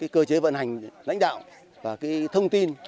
cơ chế vận hành lãnh đạo và thông tin